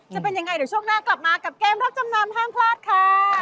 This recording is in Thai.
จะเป็นยังไงเดี๋ยวช่วงหน้ากลับมากับเกมรับจำนำห้ามพลาดค่ะ